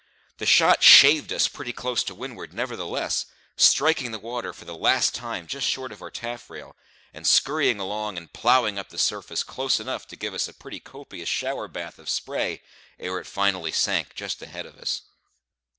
The shot shaved us pretty close to windward nevertheless, striking the water for the last time just short of our taffrail, and scurrying along and ploughing up the surface close enough to give us a pretty copious shower bath of spray ere it finally sank just ahead of us.